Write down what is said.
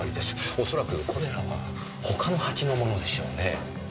おそらくこれらは他の鉢のものでしょうねぇ。